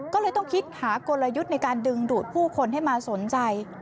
ก็เลยต้องคิดหากลยุทธ์ในการดึงดูดผู้คนให้มาสนใจ